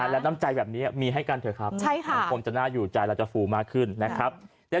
และน้ำใจแบบนี้มีให้กันเถอะครับสังคมจะน่าอยู่ใจเราจะฟูมากขึ้นนะครับ